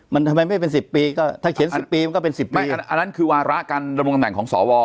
มันทำไมไม่เป็นสิบปีก็ถ้าเขียนสิบปีมันก็เป็นสิบปีไม่อันนั้นคือวาระการระบวงแบ่งของสอวอ